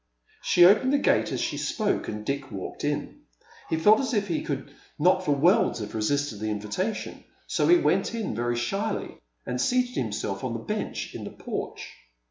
She opened the gate as she spoke, and Dick walked in. He felt as if he could not for worlds have resisted the invitation, so he went in, very shyly, and seated himself on the bench in the porch.